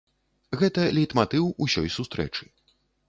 Гэта лейтматыў усёй сустрэчы.